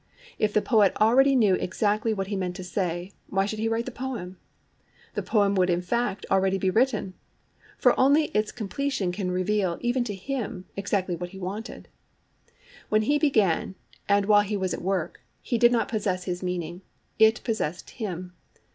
If the poet already knew exactly what he meant to say, why should he write the poem? The poem would in fact already be written. For only its completion can reveal, even to him, exactly what he wanted. When he began and while he was at work, he did not possess his meaning; it possessed him.